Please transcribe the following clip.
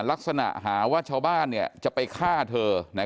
ลักษณะหาว่าชาวบ้านจะไปฆ่าเธอ